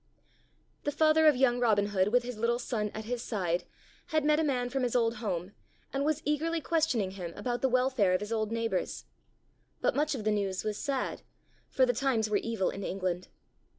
The father of young Robin Hood with his little son at his side, had met a man from his old home and was eagerly questioning him about the welfare of his old neighbors. But much of the news was sad, for the times were evil in England.